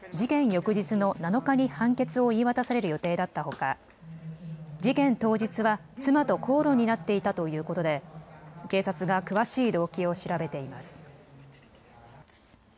翌日の７日に判決を言い渡される予定だったほか事件当日は妻と口論になっていたということで警察が詳しい動機を調べています。